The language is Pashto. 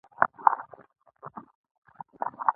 د اصلاحاتو تطبیق هم په دې کې شامل دی.